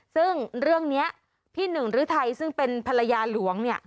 ซึ่งเรื่องนี้พี่หนึ่งฤทัยซึ่งเป็นภรรยาหลวงเนี่ย